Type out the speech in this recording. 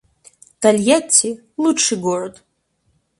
Тольятти — лучший город